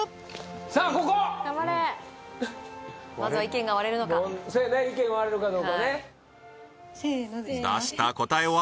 さあここ頑張れまずは意見が割れるのかせやね意見割れるかどうかね出した答えは？